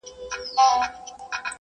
هدیره مي د بابا ده پکښي جوړه `